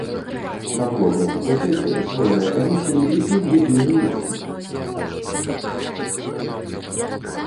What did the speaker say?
На кожным факультэце створаныя камісіі, якім выдзелены месцы.